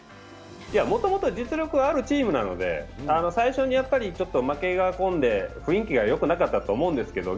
もともと実力はあるチームなので、最初に負けが込んで、雰囲気がよくなかったと思うんですけど、